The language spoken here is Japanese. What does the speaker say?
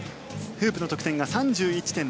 フープの得点が３１．６５０。